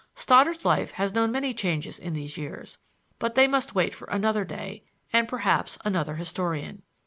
Stoddard's life has known many changes in these years, but they must wait for another day, and, perhaps, another historian.